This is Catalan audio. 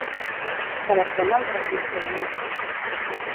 Telefona al Drac Ingelmo.